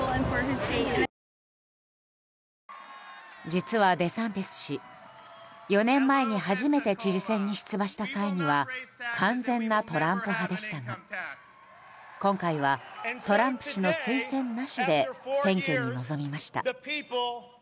実はデサンティス氏、４年前に初めて知事選に出馬した際には完全なトランプ派でしたが今回は、トランプ氏の推薦なしで選挙に臨みました。